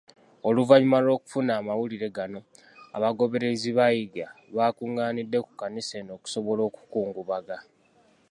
Oluvannyuma lw'okufuna amawulire gano, abagoberezi ba Yiga bakung'anidde ku kkanisa eno okusobola okukungubaga.